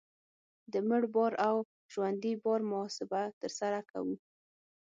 د مړ بار او ژوندي بار محاسبه ترسره کوو